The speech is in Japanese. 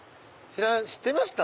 知ってました？